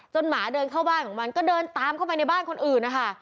หมาเดินเข้าบ้านของมันก็เดินตามเข้าไปในบ้านคนอื่นนะคะ